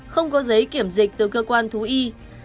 không có giấy kiểm dịch từ cơ quan thú y